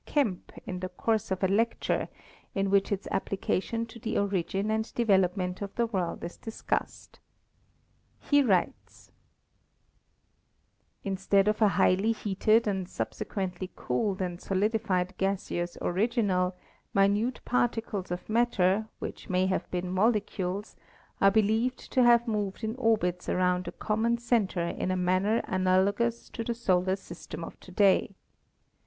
Kemp in the course of a lecture in which its application to the origin and development of the world is discussed. He writes: COSMOGONY AND STELLAR EVOLUTION 317 "Instead of a highly heated and subsequently cooled and solidified gaseous original, minute particles of matter, which may have been molecules, are believed to have moved in orbits around a common center in a manner analogous to the solar system of to day.